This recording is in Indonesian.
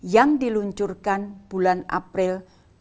yang diluncurkan bulan april dua ribu dua puluh